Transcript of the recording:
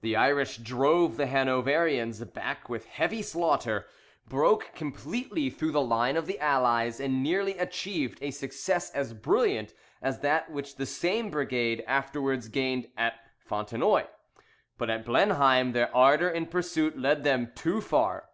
The Irish drove the Hanoverians back with heavy slaughter, broke completely through the line of the Allies, and nearly achieved a success as brilliant as that which the same brigade afterwards gained at Fontenoy. But at Blenheim their ardour in pursuit led them too far.